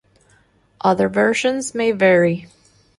Other versions may vary.